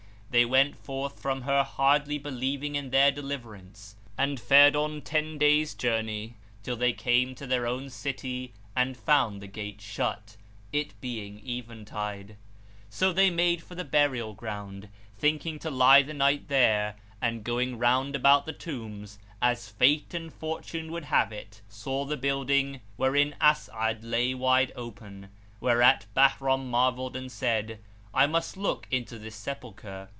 They went forth from her hardly believing in their deliverance, and fared on ten days' journey till they came to their own city and found the gate shut, it being eventide. So they made for the burial ground, thinking to lie the night there and, going round about the tombs, as Fate and Fortune would have it, saw the building wherein As'ad lay wide open; whereat Bahram marvelled and said, "I must look into this sepulchre."